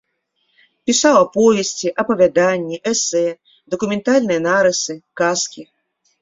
Пісаў аповесці, апавяданні, эсэ, дакументальныя нарысы, казкі.